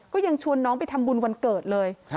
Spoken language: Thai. ก็ยังชวนน้องไปทำบุญวันเกิดเลย